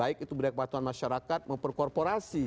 baik itu budaya kepatuhan masyarakat memperkorporasi